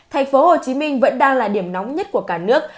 thành phố hồ chí minh vẫn đang là điểm nóng nhất của cả nước